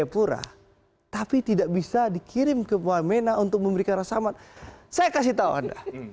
daya pura tapi tidak bisa dikirim ke bawamena untuk memberikan rasaman saya kasih tahu anda